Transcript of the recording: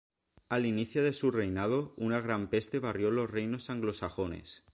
Al inicio de su reinado, una gran peste barrió los reinos anglosajones.